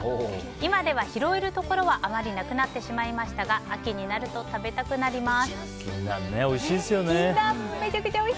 今では拾えるところはあまりなくなってしまいましたが秋になると食べたくなります。